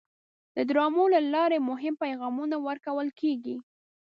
د ډرامو له لارې مهم پیغامونه ورکول کېږي.